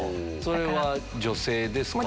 それは女性ですか？